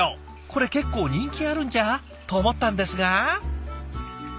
これ結構人気あるんじゃ？と思ったんですが。